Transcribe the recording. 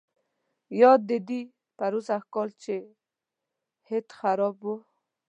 یاد دي دي پروسږ کال چې هیټ خراب وو.